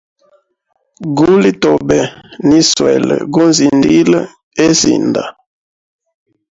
Guli tobe, niswele gunzindile he sinda.